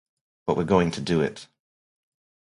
But we're going to do it.